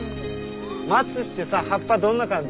松ってさ葉っぱどんな感じ？